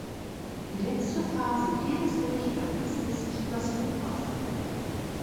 Die letzte Phase jedes Durchgangs ist das Hochwasser.